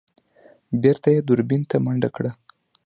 بېرته يې دوربين ته منډه کړه.